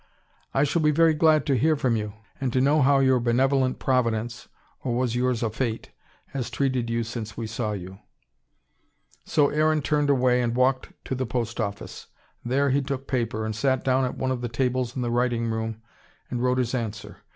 "I shall be very glad to hear from you, and to know how your benevolent Providence or was yours a Fate has treated you since we saw you " So, Aaron turned away, and walked to the post office. There he took paper, and sat down at one of the tables in the writing room, and wrote his answer.